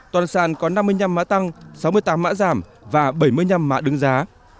toàn sản có năm mươi năm mã tăng sáu mươi tám mã giảm và bảy mươi năm mã đứng giá